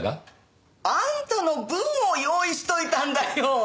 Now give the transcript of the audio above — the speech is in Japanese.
あんたの分を用意しといたんだよ。